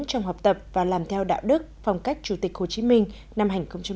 trong học tập và làm theo đạo đức phong cách chủ tịch hồ chí minh năm hai nghìn một mươi chín